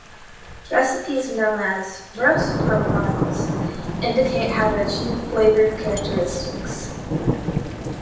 Recipes known as "roast profiles" indicate how to achieve flavor characteristics.